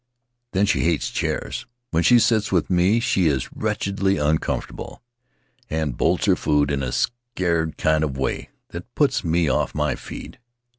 Then she hates chairs; when she sits with me she is wretchedly uncomfortable, and bolts her food in a scared kind of way that puts me off my feed.